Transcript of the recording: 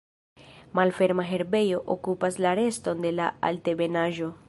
Malferma herbejo okupas la reston de la altebenaĵo.